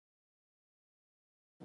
د سارا پزه بادخورې خوړلې ده.